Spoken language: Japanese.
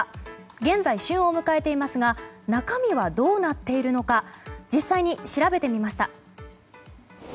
現在、旬を迎えていますが中身はどうなっているのか実際に調べてみました。